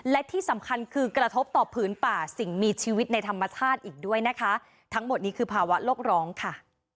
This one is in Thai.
และที่สำคัญคือกระทบต่อผืนป่าสิ่งมีชีวิตในธรรมชาติอีกด้วยนะคะทั้งหมดนี้คือภาวะโลกร้องค่ะ